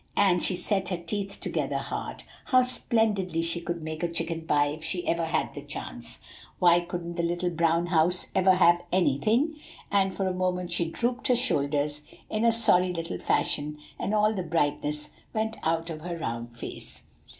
And she set her teeth together hard. How splendidly she could make a chicken pie if she ever had the chance! Why couldn't the little brown house ever have anything? And for a moment she drooped her shoulders in a sorry little fashion, and all the brightness went out of her round face.